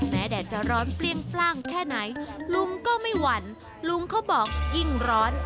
แดดจะร้อนเปรี้ยงปล้างแค่ไหนลุงก็ไม่หวั่นลุงเขาบอกยิ่งร้อน